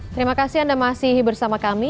terimakasih anda masih bersama kami